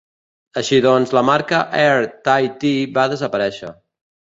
Així doncs, la marca Air Tahiti va desaparèixer.